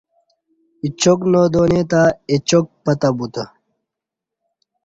اچاک نادانی تہ اچاک پتہ بوتہ